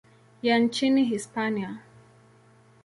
ya nchini Hispania.